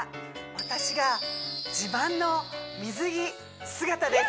私が自慢の水着姿です